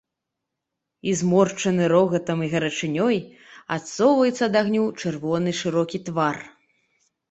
І, зморшчаны рогатам і гарачынёй, адсоўваецца ад агню чырвоны шырокі твар.